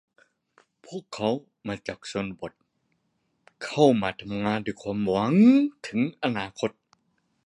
พวกเขามาจากชนบท เข้ามาทำงานด้วยความหวังถึงอนาคต